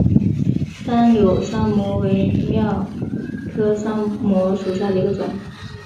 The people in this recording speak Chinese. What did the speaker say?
单瘤酸模为蓼科酸模属下的一个种。